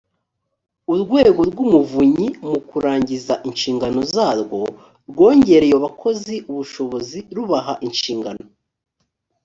urwego rw umuvunyi mu kurangiza inshingano zarwo rwongereye abakozi ubushobozi rubaha inshingano